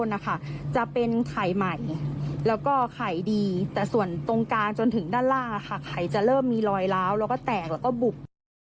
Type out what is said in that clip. ทำงานประกอบอาชีพ